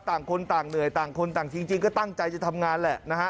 ต่างคนต่างเหนื่อยต่างคนต่างจริงก็ตั้งใจจะทำงานแหละนะฮะ